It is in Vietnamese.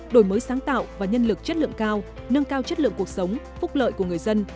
đổi mới sáng tạo và nhân lực chất lượng cao nâng cao chất lượng cuộc sống phúc lợi của người dân